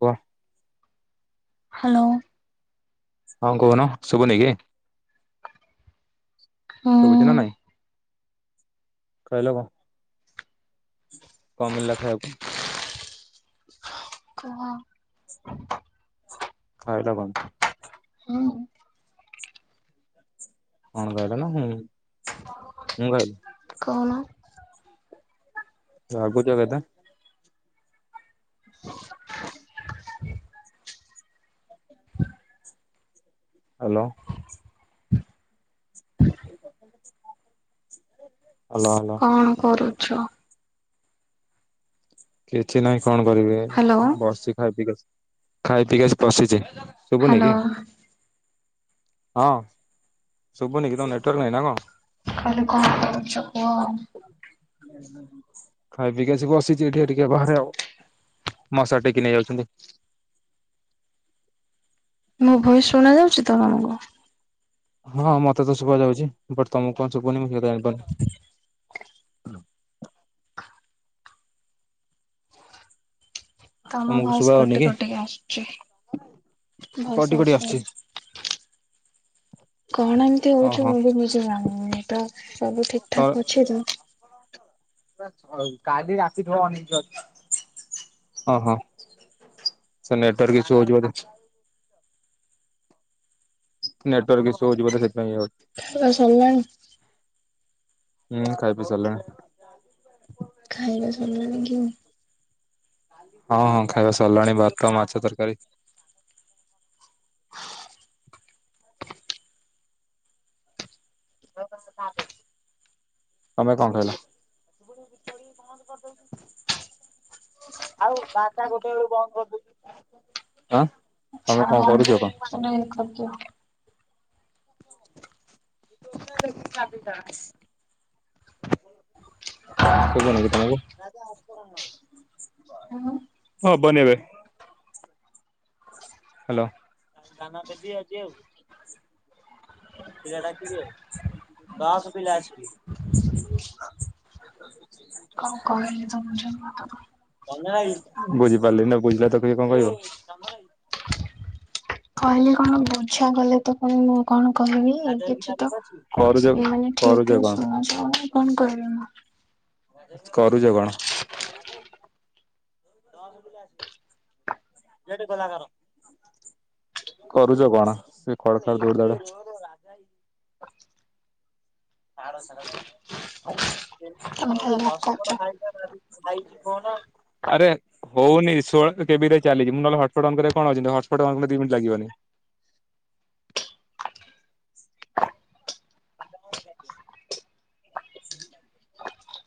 କୁହ ହ୍ୟାଲୋ। ହଁ କୁହୁନ ଶୁବୁନିିକି। ଶୁବୁଛି ନା ହୁଁ ନାଇଁ। କାଇିଲ କଣ ମିଳିଲା ଖାଇବାକୁ। କୁହ। ଖାଇଲ କଣ? ହୁଁ କଣ କହିଲ ନା ହୁଁ କଣ୍ କାଇଲ? କହୁଣ। ରାଗୁଚ କେତେ? ହ୍ୟାଲୋ। Hello hello. କଣ କରୁଛ? କିଛି ନାହିଁ କଣ କରିବି ହ୍ୟାଲୋ ବସି ଖାଇ ପିି ଖାଇ ପିଇ ଆସି ବଶିଛି। ଶୁଭୁନି ହ୍ୟାଲୋ କି ହଁ ଶୁଭୁନିକ ତୁମ ନେଟୱାର୍କ ନାହିଁ ନା କଣ? କାଲି କଣ କରୁଛ କୁହ? ହୁଁ ହୁଁ। ଖାଇ ପିକି ଆସି ବସିଛି ଏଠିକି ଟିକେ ବାହାରେ ଆଉ ମଶା ଟେକି ନେଇ ଯାଉଛନ୍ତି। ମୋ ଭଏସ ଶୁଣା ଯାଉଛି ତ ତମକୁ? ହଁ ମତେ ତ ଶୁବା ଯାଉଛି ବଟ ତମକୁ କଣ ଶୁଖୁନି ମୁଁ ହେଟା ଜାଣିପାରୁନି। ହଲୋ ତମ ତମକୁ ଭୟସ ଶୁଭା ଯାଉନି କଟି କି? କଟିକି ଆସୁଛି କଟି ଭୟସ କଟି ଆସୁଛି ଆସୁନି। କଣ ଏମିତି ହଉଚି ଓହୋ ମୁଁ ବି ନିଜେ ତ ସବୁ ଠିକ୍ ଠାକ୍ ଅଛି ତ। କାଲି ରାତିଠୁ [unintelligible] ଓହୋ। ସେ ନେଟୱର୍କ କିଛି ହୋଉଚି ବୋଧେ। ନେଟୱର୍କ ଇସୁହଉଚି ବୋଧେ ସେଥିପାଇଁ ଇଏ ହୋଉଚି। [unintelligible] ହୁଁ ଖାଇ ପି ସାରିଲିଣି। ଖାଇବା ସରିଲାଣିି କି? ହଁ ଖାଇବା ସଲାଣି ଭାତ ମାଛ ତରକାରୀ। ତମେ କଣ ଖାଇଲ? ଚୋରି ବନ୍ଦ [unintelligible] ଆଚ୍ଛା ତମେ କଣ କରୁଚ କଣ? [unintelligible] [unintelligible] ସୁବୁନିକି ତମକୁ? ହବନି ଏବେ? ହଲୋ ଦାନା ଦେବି ଆଜି ଆଉ। ପିଲା ଡାକିବି ଆଉ। [unintelligible] ହଉ କହିଲି ତମେ କୋଉ ବୁଝିପାରିଲ ନାଁ ବୁଝିଲା ତ କିଏ କଣ କହିବ। କହିଲି କଣ ବୁଝା କଲେ ତ କଣ ମୁଁ କଣ କହିବି କିଛି ତ କରୁଛ ସେ ମାନେ କରୁଛ ଠିକ୍ ରେ କଣ ସୁଣିଚନ୍ତି କଣ କରିବି ମୁଁ। କରୁଚ କଣ? [unintelligible] କରୁଚ କଣ ସେ ଖଡ ଖର ଦୋଡ ଦଡ। ତୋର ରାଜାଭାଇ। ତାର [unintelligible] ମୋର ତମେ ଗୋଟେ ଖାଲି ହସପଟ୍ ଧକାଉଛ। ଫାଇଲ୍ ଖାଇଛି କଣ? ଆରେ ହଉନି ଷୋଳ କେବେରେ ଚାଲିଛି ମୁଁ ନହେଲେ ହଟପଟ୍ ଅନଙ୍କରେ କଣ ଅଛନ୍ତି ହଟପଟ୍ ଅନଲେ ଦି ମିନିଟ୍ ଲାଗିବନି।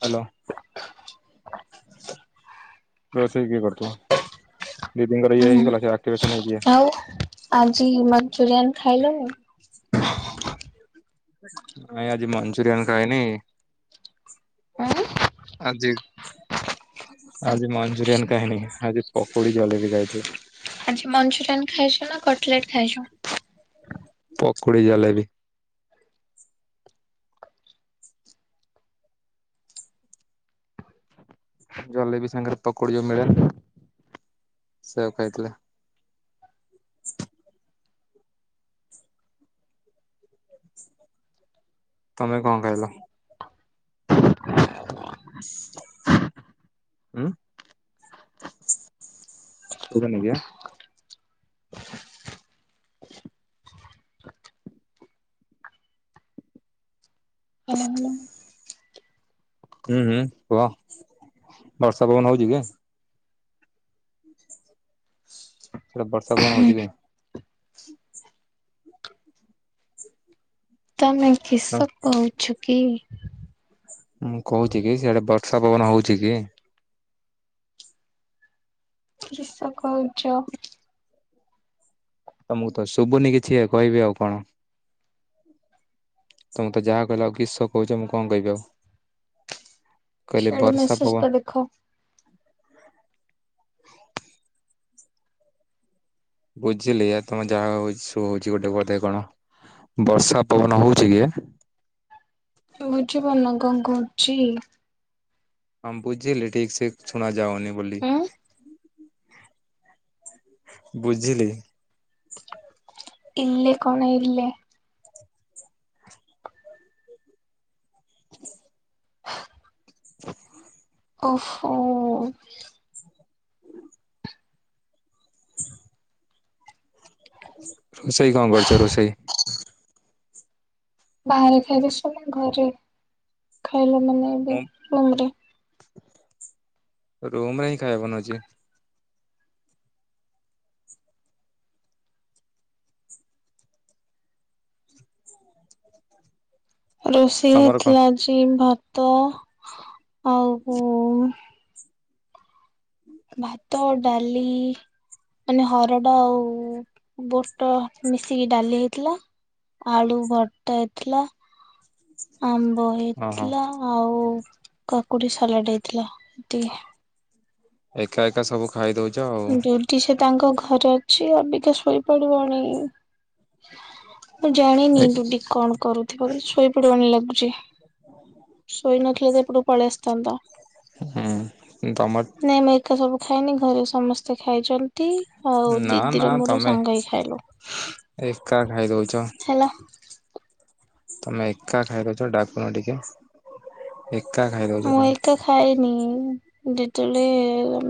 ହାଲୋ। ରୋଷେଇ କିଏ କରିଥିଲା ଦିଦିନଙ୍କର ଇଏ ହୁଁ ହେଇ କଲା କି ଆଉ ଆଜି ମଞ୍ଚୁରିଆନ୍ ଖାଇଲ ନାଇଁ? ନାଇଁ ଆଜି ମଂଞ୍ଚୁରିୟନ୍ ଖାଇନି। ଉଁ ଆଜି ଆଜି ମଞ୍ଚୁରିଆନ୍ ଖାଇନି ଆଜି ପକୋଡି ଜଲେବି ଖାଇଥିଲେ। ଆଜି ମଂଞ୍ଚୁରିୟନ୍ ଖାଇଚ ନାଁ କଟଲେଟ୍ ଖାଇଚ? ପକୁଡି ଜାଲେବି। ଜଲେବି ସାଙ୍ଗରେ ପକୋଡି ଯୋଉ ମିଳେ ସେୟାକୁ ଖାଇଥିଲି। ତମେ କଣ ଖାଇଲ? ଉଁ [unintelligible] ହାଲୋ ହାଲୋ। ହୁଁ ହୁଁ କୁହ ବର୍ଷା ପବନ ହଉଚି କି? ସେଆଡେ ବର୍ଷ ପବନ ହେଉଚି କି? ତମେ କିସ କହୁଛ କି? ମୁଁ କହୁଚି କି ସେଆଡେ ବର୍ଷା ପବନ ହଉଚି କି? କିସ କଉଚ? ତମକୁ ତ ଶୁବୁନି କିଛି କଇବି ଆଉ କଣ? ତମୁକୁ ତ ଯାହା କଇଲା ଳୁକୁ କିିସ କଉଚ ମୁଁ କଣ କଇବି ଆଉ। କଇଲି ସିଆଡେ ବର୍ଷା ମେସେଜ ଟା ପବନ ଦେଖ ବୁଝିଲି ତମ ଯାହା ହୋଉଚି ସୋ ହୋଉଚି ଗୋଟେ ବୋଧେ କଣ? ବର୍ଷା ପବନ ହୋଉଚି କିଏ? ତୁମେ ବୁଝିପାରୁନ କଣ କୋହୁଛି? ହଁ ବୁଝିଲି ଠିକ ସେ ଶୁଣା ଯାଉନି ବୋଲି। ଆଉ। ବୁଝିଲି। ଇଲେ କଣ ଇଲେ? ଓହୋ। ଚି ରୋଷେଇ କଣ କରିଚ ରୋଷେଇ? ବାହାରେ ଖାଇଦେଇ ସ ନାଁ ଘରେ? ଖାଇଲଣି ନାଇଁ ଏବେ ମୁଁ ଲୁମଟେ? ରୁମ ରେ ହିଁ ଖାଇବନ ଅଛି। ରୋଷେଇ ତମର କଣ ହେଇଥିଲା ଆଜି ଭାତ ଆଉ ପୁ ଭାତ, ଡାଲି। ମାନେ ହରଡ଼ ଆଉ ବୁଟ ମିଶିକି ଡାଲି ହେଇଥିଲା। ଆଳୁ ଭର୍ତ୍ତା ହେଇଥିଲା। ଆମ୍ବ ଓହୋ ହେଇଥିଲା ଆଉ କାକୁଡି ସାଲାଟ ହେଇଥିଲା ଏତିକି। ଏକା ଏକା ସବୁ ଖାଇ ଦୋଉଚ ଆଉ। କି ସେ ତାଙ୍କ ଘରେ ଅଛି। ଅବିକା ଶୋଇ ପଡିବନି। ମୁଁ ଜାଣିନି ହୁଁ ଡୁଡି କଣ କରୁଥିବ ବୋଲି। ଶୋଇ ପଡିବନି ଲାଗୁଚି। ଶୋଇ ନଥିଲେ ତ ଏପଟ କୁ ପଳିଆସଥାନ୍ତ। ହେଁ ତମଟ ନାଇ ନାଇ ଏକା ସବୁ ଖାଇନି ଘରେ ସମସ୍ତେ ଖାଇଚନ୍ତି। ହୋଉ ନା ନା ଦିଦିର ମୋର ତମେ ସାଙ୍ଗ ହେଇ ଖାଇଲୁ ଏକା ଖାଇଦଉଛ ହେଲା। ତମେ ଏକା ଖାଇ ଦୋଉଚ ଡାକୁନ ଟିକେ। ଏକା ଖାଇ ଦୋଉଚ ମୁଁ ତମେ। ଏକା ଖାଇନି। ଡେଟୋଳେ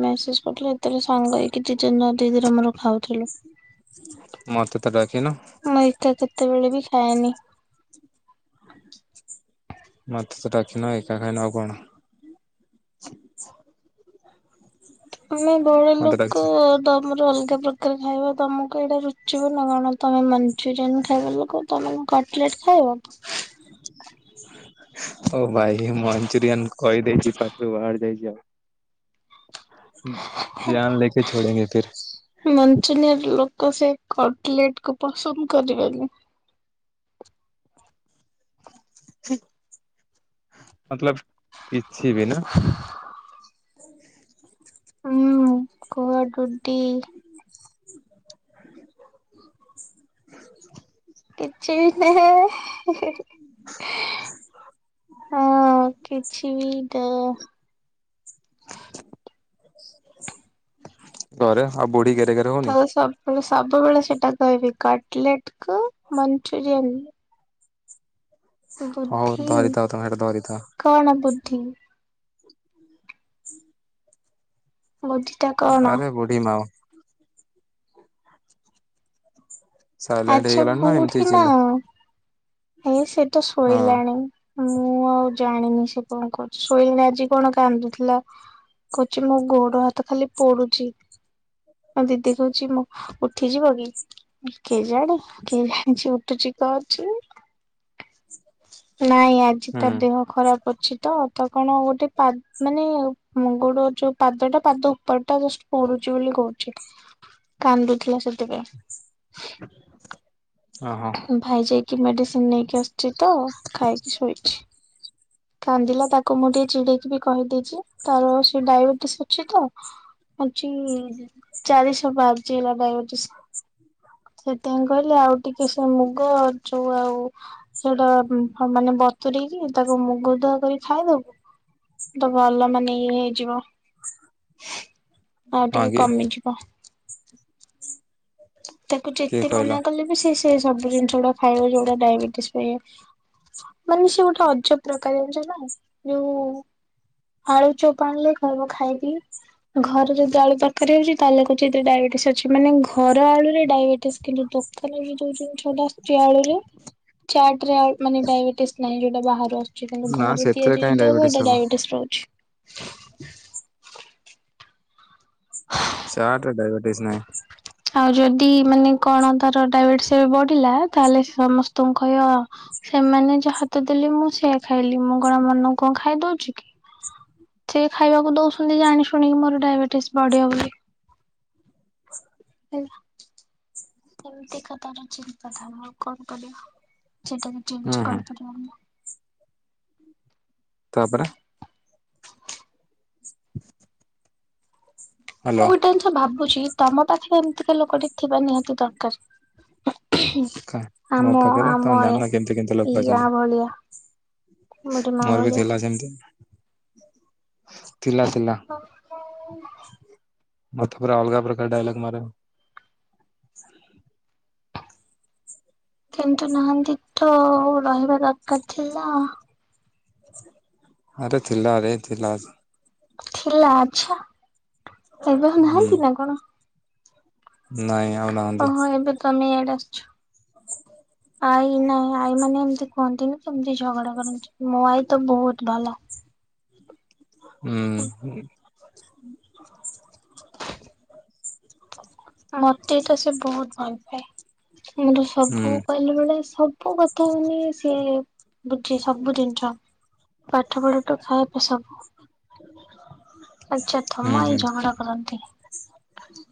ମେସେଜ କରଥିଲ ସେତୋଳେ ସାଙ୍ଗ ହେଇକି ଦି ଦିନ ଦିଦିର ମୋର ଖାଉଥିଲୁ। ମତେ ତ ଡଜିନ। ମୁଁ ଏକା କେତୋବେଳେ ବି ଖାଏନି। ମତେ ତ ଡାକିନ ଏକା ଖାଇ ନ ଆଉ କଣ? ଆମେ ବଡ ମତେ ଡାକିଚ ଲୋକ ତମର ଅଲଗା ପ୍ରକ କାର ଖାଇବ ତମକୁ ଏଇଟା ରୁଚିବ ନା କଣ। ତମେ ମଞ୍ଚୁରିୟାନ ଖାଇବା ଲୋକ ତମେ ମୋ କାଟ ପ୍ଲେଟ୍ ଖାଇବ? ଓ ଵାଇ ମଞ୍ଚୁରିଆନ କହିଦେଇଚି ପାଟିରୁ ବାହାରି ଯାଇଚି ଆଉ। ଜାନ ଲେକେ ଛୋଡ଼େଙ୍ଗେ ତେରେ। ମଞ୍ଚୁନିୟର ଲୋକ ସେ କଟଲେଟ କୁ ପସନ୍ଦ କରିବେନି। ହୁଁ ମତଲବ କିଛି ବି ନା? ହୁଁ କୁଆଡୁଟି। କିଛି ବି ନେହେ ହେ। ହେ ହଁ କିଛି ବି ତ [inaudible] ଘରେ। ଆଉ ବୁଢ଼ୀ ଗେରେଗେରେ ତ ସବୁବେଳେ ସବୁବେଳେ ସେଇଟା କହିବି କଟଲେଟ କୁ ମଞ୍ଚୁରିୟାନ। ହଉ ବୁଦ୍ଧି ଧରିଥାଉ ତମେ ସେଟା ଧରିଥାଅ। କଣ ବୁଦ୍ଧି? କୋଉଠି? ଆରେ ବୁଢୀ ମା ଓଁ। ସାଇଲେଣ୍ଟ ଆଚ୍ଛା ହେଇଗଲାଣି ନା ଏମିତି ବୁଢୀ ମା ଚିଲ ଆଚ୍ଛା ସେ ତ ହଁ ଶୋଇଲାଣି। ଆଉ ମୁଁ ଆଉ ଜାଣିନି ସେ କଣ କରୁଛି। ଶୋଇନି ଆଜି କଣ କାନ୍ଦୁଥିଲା। କହୁଛି ମୋ ଗୋଡ଼ ହାତ ଖାଲି ପୋଡ଼ୁଛି। ଆଁ ଦିଦି କହୁଛି ମୋ ଉଠିଯିବ କି? କେ ଜାଣି କିଏ ଜାଣିଛି ଉଠୁଛି କି କଣକରୁଛି। ନାଇଁ ଆଜି ତା ହୁଁ ଦେହ ଖରାପ ଅଛି ତ ତା କଣ ଗୋଟେ ପା ମାନେ ଗୋଡ଼ ଯୋଉ ପାଦଟା ପାଦ ଉପରଟା ପଡ଼ୁଛି ବୋଲି କହୁଛି। କାନ୍ଦୁଥିଲା ସେଥିପାଇଁ। ଓହୋ। ଭାଇ ଯାଇକି ମେଡିସିନ ନେଇକି ଆସୁଛି ତ। ଖାଇକି ଶୋଇଛି। କାନ୍ଦିଲା ତାକୁ ମୁଁ ଟିକେ ଚିଡ଼େଇକି ବି କହିଦେଇଛି। ତାର ସେ ଡାଇବେଟିସ ଅଛି ତ। ହଛି ଚାରିଶହ ବାହାରଛି ହେଲା ଡାଇବେଟିସ। ସେଥିପାଇଁ କହିଲେ ଆଉ ଟିକେ ସେ ମୁଗ ଯୋଉ ଆଉ ସେଇଗୁଡ଼ା ମାନେ ବତୁରେକି ତାକୁ ମୁ ଗୁଦ କରି ଖାଇଦବୁ ତ ଭଲ ମାନେ ଇଏ ହେଇଯିବ। [inaudible] ଆଉ ଟିକେ କି କମିଯିବ। ତାକୁ କିଏ ଯେତେ କହିଲା? ମନା କଲେ ବି ସେ ସେ ସବୁ ଜିନିଷ ଗୁଡ଼ା ଖାଇବ ଯଉଗୁଡ଼ା ଡାଇବେଟିସ ପାଇଁ ଇଏ। ମାନେ ସିଏ ଗୋଟେ ଅଜବ ପ୍ରକାର। ଜାଣିଛନା ଯୋଉ ଆଳୁ ଚପ୍ ଆଣିଲେ କହିବ ଖାଇବି। ଘରେ ଯଦି ଆଳୁ ତରକାରୀ ହଉଛି ତାହେଲେ କହୁଛି ଏଥିରେ ଡାଇବେଟିସ୍ ଅଛି। ମାନେ ଘର ଆଳୁରେ ଡାଇବେଟିସ୍ କିନ୍ତୁ ଦୋ ଦୋକାନରେ ଯୋଉ ଜିନିଷଟା ଆସୁଛି ଆଳୁରେ। ଚାଟ ରେ ମାନେ ଡାଇବେଟିସ୍ ନାହିଁ। ଯୋଉଟା ବାହାରୁ ଆସୁଛି। କିନ୍ତୁ ନା ଘରେ ସେଥିରେ ତିଆରି କାହିଁ ଯଦି ହେବ ଡାଇବେଟିସ୍ ଏଇଟା ହବ ଡାଇବେଟିସ୍ ପ୍ରିବ୍ଲେମ। ଚାଟରେ ଡାଇବେର୍ଟିସ୍ ନାହିଁ। ଆଉ ଯଦି ମାନେ କଣ ତାର ଡାଇବେଟିସ ବଢିଲା। ତାହେଲେ ସମସ୍ତଙ୍କୁ କହିବ। ସେମାନେ ଯାହାତ ଦେଲେ ମୁଁ ସେଆ ଖାଇଲି। ମୁଁ କଣ ମନକୁ କଣ ଖାଇଦଉଛି କି? ସେ ଖାଇବାକୁ ଦଉଛନ୍ତି ଜାଣି ଶୁଣିକି ମୋର ଡାଇବେଟିସ୍ ବଢିବ ବୋଲି। ହେଲା [inaudible] ଏମିତିକା ତାର ଚିନ୍ତାଧାରା ଆଉ କଣ କରିବା? ସେଇଟା ବି ଚେଞ ହୁଁ ହୁଁ କରିପାରିବନି। ତାପରେ। [inaudible] ମୁଁ ହ୍ୟାଲୋ ଗୋଟେ ଜିନିଷ ଭାବୁଛି। ତମ ପାଖରେ ଏମିତିକା ଲୋକଟେ ଥିବା ନିହାତି ଦରକାର। ମୋ ଆମ ପାଖରେ ତମେ ଆମ ଏ ଜାଣିନ କେମିତି କେମିତି ଲୋକ ୟା ଅଛନ୍ତି ଭଳିଆ। ବୁଢୀ ମା ମୋର ବି ଭଳିଆ। ଥିଲା ସେମିତି। ଥିଲା ଥିଲା। ହଉ। ମତେ ପୁରା ଅଲଗାପ୍ରକାର ଡାଇଲଗ ମାର। କିନ୍ତୁ ନାହାନ୍ତି ତ ରହିବା ଦରକାର ଥିଲା। ଆରେ ଥିଲାରେ ଥିଲା। ଥିଲା ଆଛ ଏବେ ଆଉ ହୁଁ ନାହାନ୍ତି ନା କଣ? ନାଇଁ ଆଉ ନାହାନ୍ତି। ଓହୋ ଏବେ ତମେ ଇଆଡେ ଆସିଛ? ହ ଆଇ ନାଇଁ ଆଈ ମାନେ ଏମିତି କୁହନ୍ତିନି କେମିତି ଝଗଡା କରନ୍ତି ମୋ ଆଈ ତ ବୋହୁତ ଭଲ। ହୁଁ ହ। ହ ମତେ ତ ସେ ବୋହୁତ ଭଲ ପାଏ ମୁଁ ତୁ ସବୁ କହିଲ ବେଳେଆ ସବୁ କଥା ତନି ସିଏ ବୁଝେ ସବୁ ଜିନିଷ। ପାଠ ପଢ ଟା ଥାଏବି ସବୁ। ଆଛା ହୁଁ ଥମା ଏଇ ଝଗଡା କରନ୍ତି। ହୁଁ।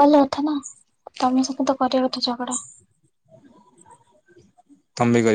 ଭଲ କଥା ନା ତମେ ସହି ତ କରିବା କଥା ଝଗଡା। ଥମ୍ଭେଇ ଗାଈ